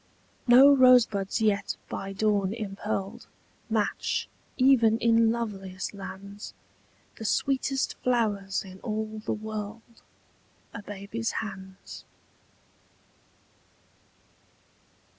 No rosebuds yet by dawn impearled Match, even in loveliest lands, The sweetest flowers in all the world— A baby's hands.